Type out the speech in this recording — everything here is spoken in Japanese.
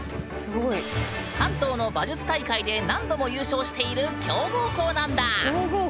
関東の馬術大会で何度も優勝している強豪校なんだ！